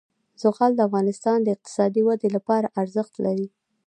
زغال د افغانستان د اقتصادي ودې لپاره ارزښت لري.